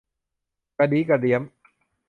กระดี้กระเดียม